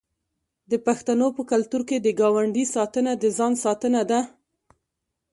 د پښتنو په کلتور کې د ګاونډي ساتنه د ځان ساتنه ده.